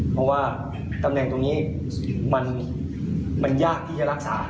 เพราะว่าตำแหน่งตรงนี้มันยากที่จะรักษา